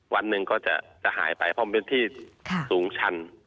วันหนึ่งก็จะหายไปเพราะมันเป็นที่สูงชัน